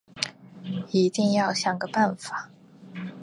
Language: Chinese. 一定要想个办法